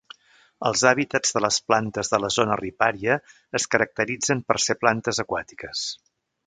Els hàbitats de les plantes de la zona ripària es caracteritzen per ser plantes aquàtiques.